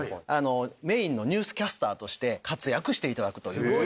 メインのニュースキャスターとして活躍して頂くという事で。